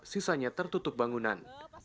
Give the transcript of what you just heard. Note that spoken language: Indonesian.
sisanya tertutup bangunan